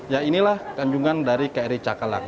ya inilah tanjungan dari kri cakalang